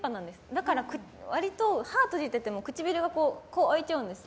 だから、割と歯を閉じてても唇が開いちゃうんです。